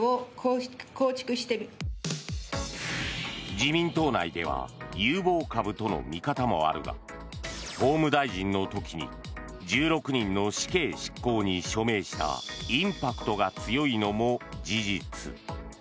自民党内では有望株との見方もあるが法務大臣の時に１６人の死刑執行に署名したインパクトが強いのも事実。